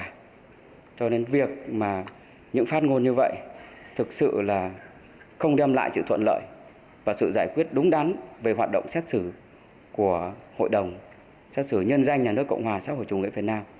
cho nên việc mà những phát ngôn như vậy thực sự là không đem lại sự thuận lợi và sự giải quyết đúng đắn về hoạt động xét xử của hội đồng xét xử nhân danh nhà nước cộng hòa xã hội chủ nghĩa việt nam